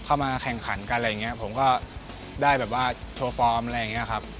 เข้ามาแข่งขันกันอะไรอย่างเงี้ยผมก็ได้แบบว่าโชว์ฟอร์มอะไรอย่างนี้ครับ